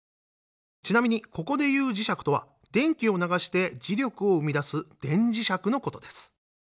ちなみにここで言う「磁石」とは電気を流して磁力を生み出す電磁石のことです。